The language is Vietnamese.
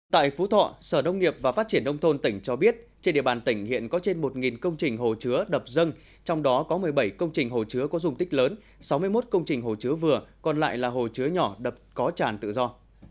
tại phú thọ sở đông nghiệp và phát triển đông thôn tỉnh cho biết trên địa bàn tỉnh hiện có trên một công trình hồ chứa đập dâng trong đó có một mươi bảy công trình hồ chứa có dùng tích lớn sáu mươi một công trình hồ chứa vừa còn lại là hồ chứa nhỏ đập có tràn tự do